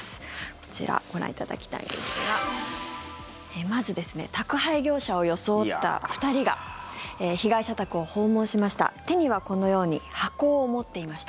こちらご覧いただきたいんですがまず、宅配業者を装った２人が被害者宅を訪問しました。